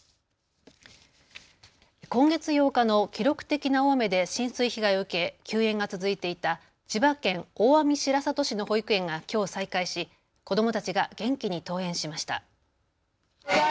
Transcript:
今月８日の記録的な大雨で浸水被害を受け休園が続いていた千葉県大網白里市の保育園がきょう再開し、子どもたちが元気に登園しました。